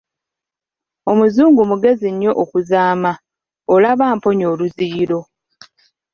Omuzungu mugezi nnyo okuzaama, olaba amponya oluziyiro!